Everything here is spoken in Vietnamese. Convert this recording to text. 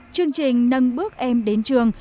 chương trình nâng bước em đến trường